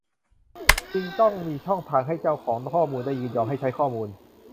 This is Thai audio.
จริงต้องมีช่องทางให้เจ้าของข้อมูลได้ยินยอมให้ใช้ข้อมูล